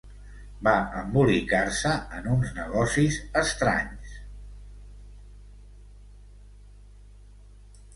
Va embolicar-se en uns negocis estranys.